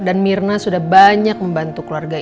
dan mirna sudah banyak membantu keluarga